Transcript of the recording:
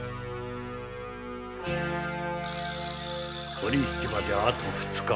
取り引きまであと二日。